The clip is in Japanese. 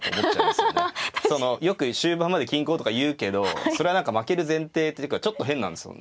よく終盤まで均衡とか言うけどそれは何か負ける前提っていうかちょっと変なんですよ。